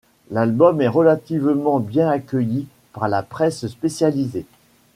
L'album est relativement bien accueilli par la presse spécialisée.